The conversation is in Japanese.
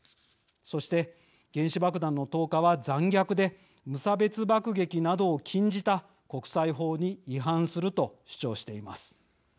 そして、原子爆弾の投下は残虐で無差別爆撃などを禁じた国際法に違反すると主張しています。